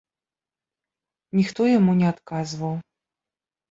Ніхто яму не адказваў.